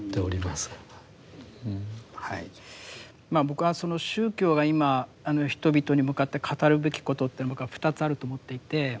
僕は宗教が今人々に向かって語るべきことって僕は２つあると思っていて。